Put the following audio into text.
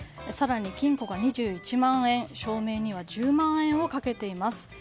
更に金庫が２１万円照明には１０万円かけています。